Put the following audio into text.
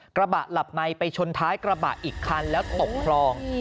กระบะหลับในไปชนท้ายกระบะอีกคันแล้วตกคลอง